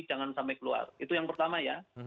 jangan sampai keluar itu yang pertama ya